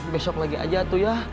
besok lagi aja tuh ya